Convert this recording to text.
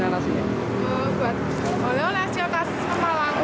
kalau lewat siokas pemalang